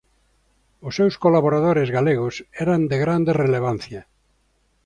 Os seus colaboradores galegos eran de grande relevancia.